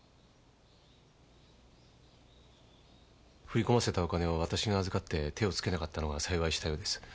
振り込ませたお金を私が預かって手をつけなかったのが幸いしたようです。